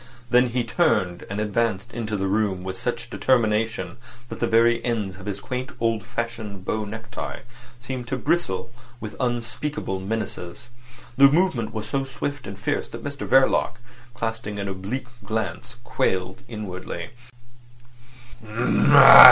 Then he turned, and advanced into the room with such determination that the very ends of his quaintly old fashioned bow necktie seemed to bristle with unspeakable menaces. The movement was so swift and fierce that Mr Verloc, casting an oblique glance, quailed inwardly.